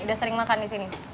udah sering makan di sini